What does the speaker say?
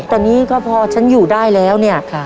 แต่นี่ก็พอฉันอยู่ได้แล้วเนี่ย